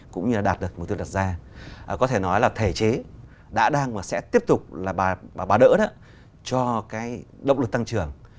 cũng như là đạt được mục tiêu đặt ra có thể nói là thể chế đã đang và sẽ tiếp tục là bà đỡ đó cho cái động lực tăng trưởng